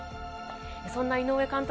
そんな井上監督